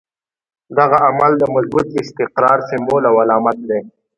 دغه عمل د مضبوط استقرار سمبول او علامت دی.